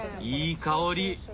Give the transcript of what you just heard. いい香り。